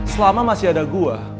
selama masih ada gue